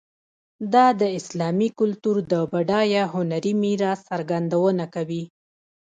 دا د اسلامي کلتور د بډایه هنري میراث څرګندونه کوي.